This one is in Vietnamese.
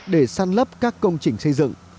để săn lấp các công trình xây dựng